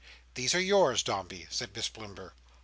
"These are yours, Dombey," said Miss Blimber.